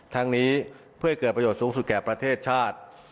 ทั้งนี้เพื่อให้เกิดประโยชน์สูงสุดแก่ประเทศชาติ